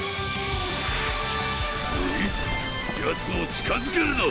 なに⁉ヤツを近づけるな！